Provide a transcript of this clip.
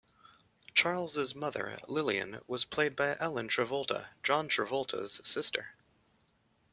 Charles' mother, Lillian, was played by Ellen Travolta, John Travolta's sister.